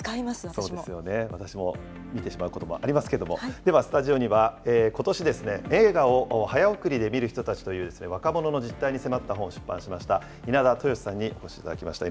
そうですよね、私も見てしまうこともありますけれども、では、スタジオにはことし、映画を早送りで観るひとたちという若者の実態に迫った本を出版しました、稲田豊史さんにお越しいただきました。